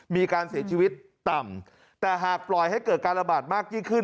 มีการเสียชีวิตต่ำแต่หากปล่อยให้เกิดการระบาดมากยิ่งขึ้น